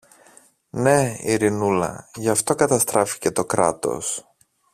Ναι, Ειρηνούλα, γι' αυτό καταστράφηκε το Κράτος.